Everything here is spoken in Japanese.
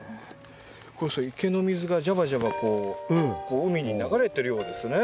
池の水がジャバジャバこう海に流れてるようですね。